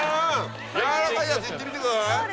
やわらかいやついってみてください。